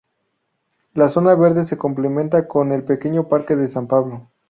La zona verde se complementa con el pequeño Parque de San Pablo.